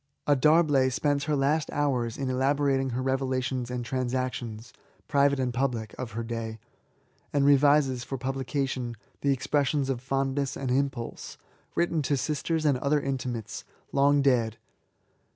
A D'Arblay spends her last hours in elabo rating her revelations of the transactions^ private and public, of her day ; and revises, for publica tion, the expressions of fondness and impulse^ written to sisters and other intimates, long dead.